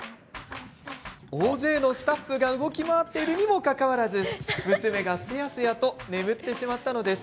大勢のスタッフが動き回っているにもかかわらず娘が、すやすやと眠ってしまったのです。